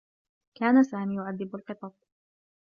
كان سامي يعذّب القطط.